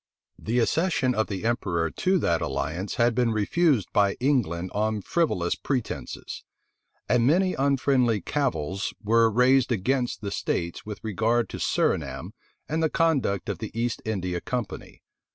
The accession of the emperor to that alliance had been refused by England on frivolous pretences. And many unfriendly cavils were raised against the states with regard to Surinam and the conduct of the East India Company.